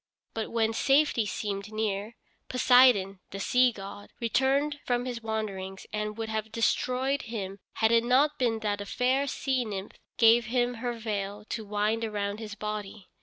But when safety seemed near, Poseidon, the sea god, returned from his wanderings and would have destroyed him had it not been that a fair sea nymph gave him her veil to wind around his body.